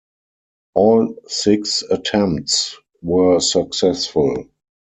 All six attempts were successful.